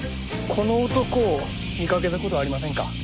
この男を見かけた事ありませんか？